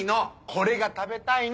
これが食べたいの。